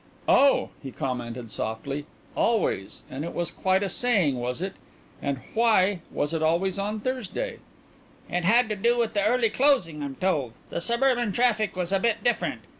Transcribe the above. "Oh," he commented softly, "always; and it was quite a saying, was it? And why was it always so on Thursday?" "It had to do with the early closing, I'm told. The suburban traffic was a bit different.